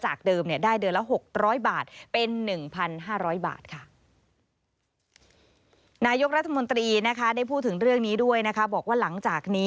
จากเดิมได้เดือนละ๖๐๐บาท